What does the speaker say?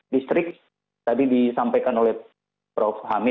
distrik tadi disampaikan oleh prof hamid